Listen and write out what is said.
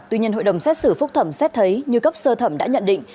tuy nhiên hội đồng xét xử phúc thẩm xét thấy như cấp sơ thẩm đã nhận định